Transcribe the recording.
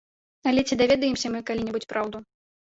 Але ці даведаемся мы калі-небудзь праўду?